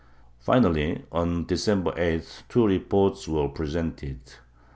Finally, on December 8th two reports were presented.